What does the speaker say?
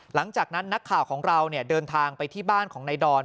หลังจากนั้นนักข่าวของเราเดินทางไปที่บ้านของนายดอน